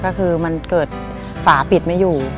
ก็คือมันเกิดฝาปิดไม่อยู่